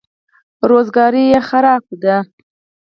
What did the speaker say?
روزګار یې خراب دی.